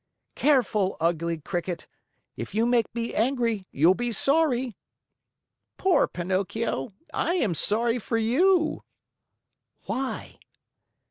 "Careful, ugly Cricket! If you make me angry, you'll be sorry!" "Poor Pinocchio, I am sorry for you." "Why?"